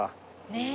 ねえ。